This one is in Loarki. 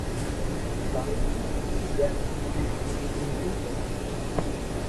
لال ري فيملي مي اگياري جڻو ھي سب بآيرو رھيو ھون